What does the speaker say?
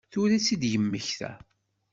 Tura i tt-id-yemmekta?